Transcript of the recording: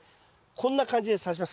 こんな感じでさします。